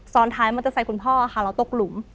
ซ้อนท้ายมันจะใส่คุณพ่อแล้วตกหลุม